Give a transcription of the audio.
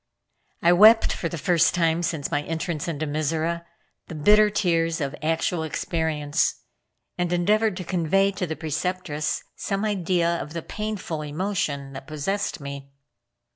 I wept for the first time since my entrance into Mizora, the bitter tears of actual experience, and endeavored to convey to the Preceptress some idea of the painful emotion that possessed me.